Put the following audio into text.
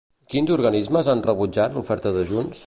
Quins organismes han rebutjat l'oferta de Junts?